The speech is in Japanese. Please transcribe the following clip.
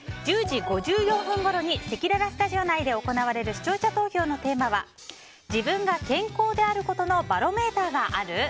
１０時５４分ごろにせきららスタジオ内で行われる視聴者投票のテーマは自分が健康であることのバロメーターがある？